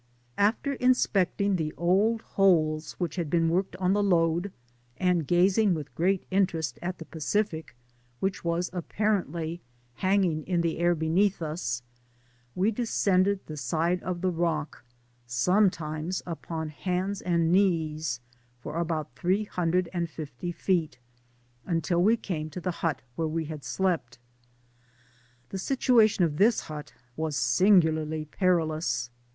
Art Rji inspecting the old holes whieh had been worked on the lode^ and gAting with great interest at the Pacific, which was apparently hanging in the air beneath us, we descended the side of the rock, sometimes upon hands and knees, for about three hundred and fifty feet, until we came to the hut where we had slept. The situation of this hut was singularly perilous.